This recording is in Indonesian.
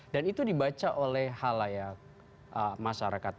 dan itu dibaca oleh halayat masyarakat